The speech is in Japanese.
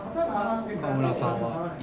川村さんは？